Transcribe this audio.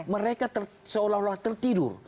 mereka seolah olah tertidur